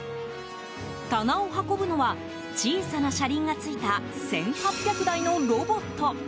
棚を運ぶのは小さな車輪がついた１８００台のロボット。